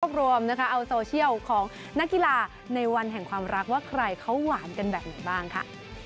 รวมนะคะเอาโซเชียลของนักกีฬาในวันแห่งความรักว่าใครเขาหวานกันแบบไหนบ้างค่ะ